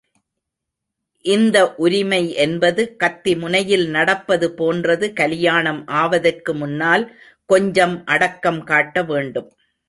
இந்த உரிமை என்பது கத்தி முனையில் நடப்பது போன்றது கலியாணம் ஆவதற்கு முன்னால் கொஞ்சம் அடக்கம் காட்டவேண்டும்.